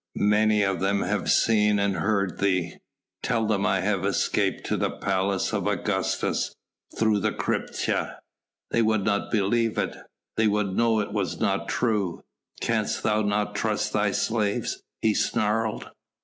"Many of them have seen and heard thee." "Tell them I have escaped to the Palace of Augustus, through the crypta." "They would not believe it they would know it was not true." "Canst thou not trust thy slaves?" he snarled.